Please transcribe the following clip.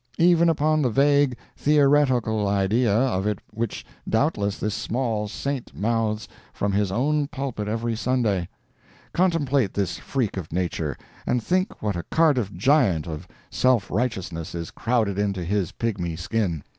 —even upon the vague, theoretical idea of it which doubtless this small saint mouths from his own pulpit every Sunday. Contemplate this freak of Nature, and think what a Cardiff giant of self righteousness is crowded into his pigmy skin.